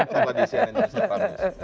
sampai di sian yang bisa ditangani